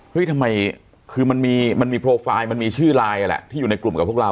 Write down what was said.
ทำไมคือมันมีโปรไฟล์มันมีชื่อไลน์แหละที่อยู่ในกลุ่มกับพวกเรา